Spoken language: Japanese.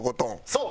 そう。